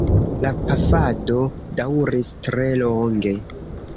La pafado daŭris tre longe.